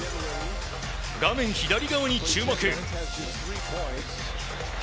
画面左側に注目。